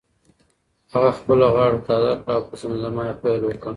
هغه خپله غاړه تازه کړه او په زمزمه یې پیل وکړ.